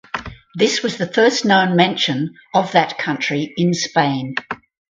This was the first known mention of that country in Spain.